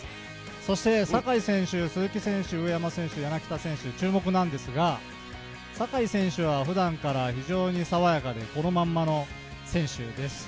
そして、坂井選手、鈴木選手、上山選手、柳田選手、注目なんですが、坂井選手はふだんから非常に爽やかでそのまんまの選手です。